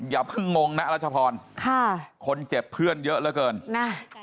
อย่าเพิ่งงงนะรัชพรค่ะคนเจ็บเพื่อนเยอะเหลือเกินนะ